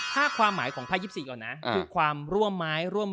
ข้อที่ไม่พูดได้จะคือความร่วมไม้